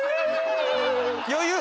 余裕？